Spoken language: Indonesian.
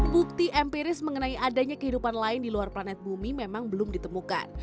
bukti empiris mengenai adanya kehidupan lain di luar planet bumi memang belum ditemukan